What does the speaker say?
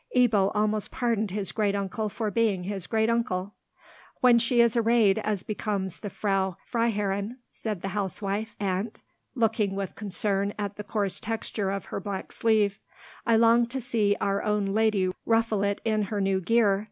Ebbo almost pardoned his great uncle for being his great uncle. "When she is arrayed as becomes the Frau Freiherrinn," said the housewife aunt, looking with concern at the coarse texture of her black sleeve. "I long to see our own lady ruffle it in her new gear.